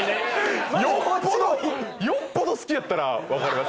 よっぽどよっぽど好きやったら分かりますけど。